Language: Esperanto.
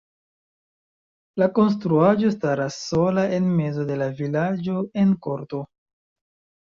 La konstruaĵo staras sola en mezo de la vilaĝo en korto.